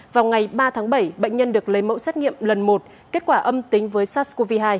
vào ngày ba tháng bảy bệnh nhân được lấy mẫu xét nghiệm lần một kết quả âm tính với sars cov hai